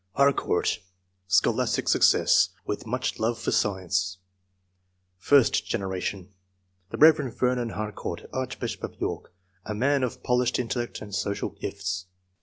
Harcourt. — Scholastic success, with much love for science. First generation. — ^The Rev. Vernon Har court, archbishop of York ; a man of polished intellect and social gifts.